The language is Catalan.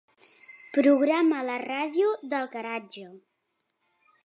Programa la ràdio del garatge.